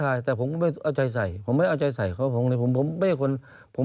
แล้วคุณเจอเขาอีกบ้าอยู่เหรอครับ